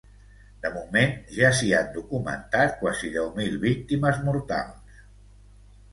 De moment, ja s’hi han documentat quasi deu mil víctimes mortals.